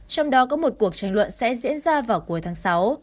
trong đó có một cuộc tranh luận sẽ diễn ra vào cuối tuần